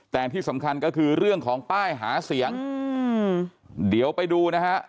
แต่ที่สำคัญก็คือเรื่องของป้ายหาเสียงเดี๋ยวไปดูนะฮะ